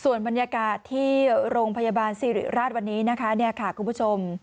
ส่วนบรรยากาศที่โรงพยาบาลซีริรัตน์วันนี้ค่ะคุณผู้ชม